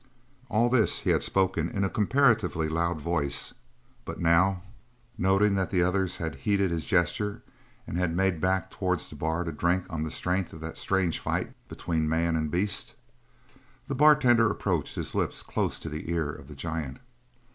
All this he had spoken in a comparatively loud voice, but now, noting that the others had heeded his gesture and had made back towards the bar to drink on the strength of that strange fight between man and beast, the bartender approached his lips close to the ear of the giant.